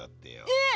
えっ！？